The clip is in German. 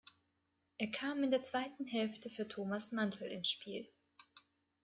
Er kam in der zweiten Hälfte für Thomas Mandl ins Spiel.